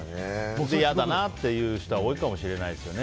嫌だなっていう人は多いかもしれないですね。